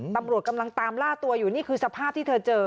ตำรวจกำลังตามล่าตัวอยู่นี่คือสภาพที่เธอเจอ